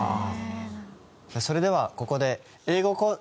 それではここで。